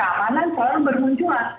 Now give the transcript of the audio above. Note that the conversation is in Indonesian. karena keamanan selalu bermunculan